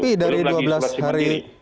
lebih dari dua belas hari